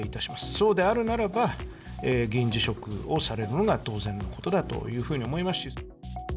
そうであるならば、議員辞職をされるのが当然のことだというふうに思いますし。